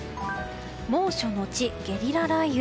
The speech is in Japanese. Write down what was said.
猛暑のちゲリラ雷雨。